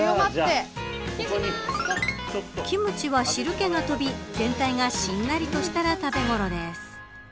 キムチは汁気が飛び全体がしんなりとしたら食べ頃です。